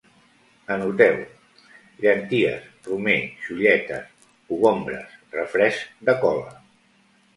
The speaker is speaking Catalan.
Anoteu: llenties, romer, xulletes, cogombres, refresc de cola